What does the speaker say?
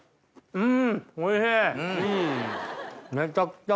うん！